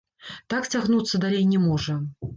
Так цягнуцца далей не можа!